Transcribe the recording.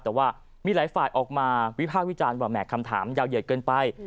แต่ว่ามีหลายฝ่ายออกมาวิภาควิจารณ์ว่าแห่คำถามยาวเหยียดเกินไป